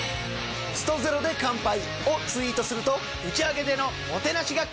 「ストゼロで乾杯」をツイートすると打ち上げでのもてなしが変わる！